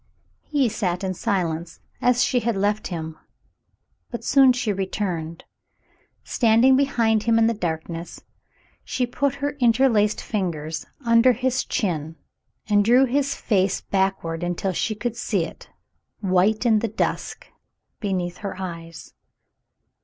He sat in silence as she had left him, but soon she returned. Standing behind him in the darkness, she put her inter laced fingers under his chin and drew his face backward until she could see it, white in the dusk, beneath her eyes.